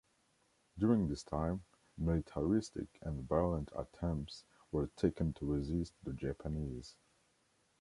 During this time, militaristic and violent attempts were taken to resist the Japanese.